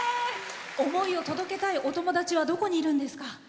思いを届けたいお友達はどこにいるんですか？